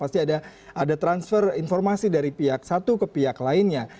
pasti ada transfer informasi dari pihak satu ke pihak lainnya